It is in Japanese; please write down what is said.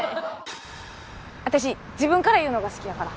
私自分から言うのが好きやから。